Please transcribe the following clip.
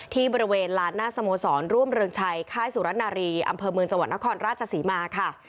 ที่บริเวณลานหน้าสโมสรร่วมเรืองชัยค่ายสุรนารีอำเภอเมืองจังหวัดนครราชศรีมาค่ะ